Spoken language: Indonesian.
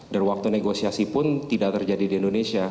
waktu negosiasi pun tidak terjadi di indonesia